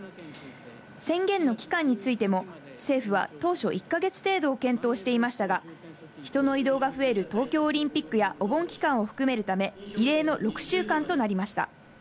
宣言の期間についても政府は当初１か月程度を検討していましたが、人の移動が増える東京オリンピックやお盆期間を含めるため異例の６週間となりました。